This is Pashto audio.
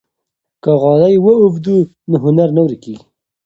که غالۍ ووبدو نو هنر نه ورکيږي.